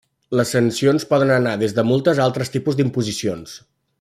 Les sancions poden anar des de multes a altres tipus d'imposicions.